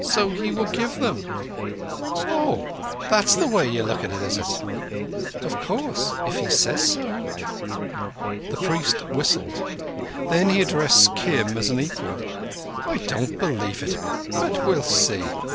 So he will give me them." "Oh, that's the way you look at it, is it?" "Of course. If he says so!" The priest whistled; then he addressed Kim as an equal. "I don't believe it; but we'll see.